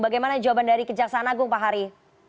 bagaimana jawaban dari kejaksaan agung pak hari